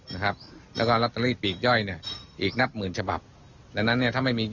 ไม่มียิปว่าสนับสนุนมันไม่มีทางทำได้หรอก